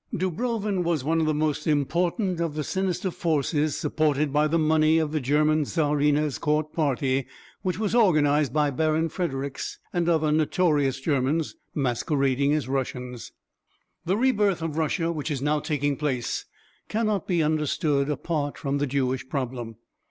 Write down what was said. Dubrovin was one of the most important of the sinister forces supported by the money of the German Czarina's court party which was organised by Baron Fredericks and other notorious Germans masquerading as Russians. The re birth of Russia which is now taking place cannot be understood apart from the Jewish problem.